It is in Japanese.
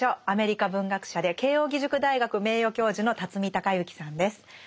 アメリカ文学者で慶應義塾大学名誉教授の孝之さんです。